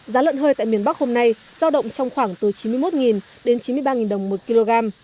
giá lợn hơi tại miền bắc hôm nay giao động trong khoảng từ chín mươi một đến chín mươi ba đồng một kg